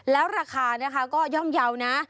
แล้วราคาก็ย่อมนะ